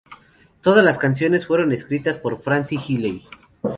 Todas las canciones fueron escritas por Francis Healy.